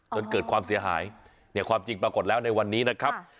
จนเกิดความเสียหายเนี่ยความจริงปรากฏแล้วในวันนี้นะครับ